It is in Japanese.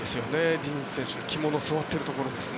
ディニズ選手の胆の据っているところですね。